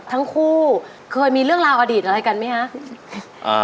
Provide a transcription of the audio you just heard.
ทั้งคู่เคยมีเรื่องราวอดีตอะไรกันไหมคะ